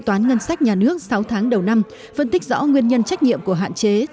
hội đồng nhân dân tỉnh quảng ninh đã tập trung đánh giá sâu tháng đầu năm phân tích rõ nguyên nhân trách nhiệm của hạn chế